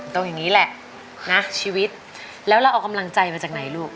ตรงนี้แหละนะชีวิตแล้วเราเอากำลังใจมาจากไหนลูก